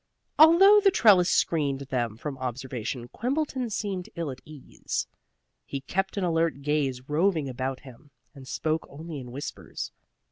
Although the trellis screened them from observation, Quimbleton seemed ill at ease. He kept an alert gaze roving about him, and spoke only in whispers.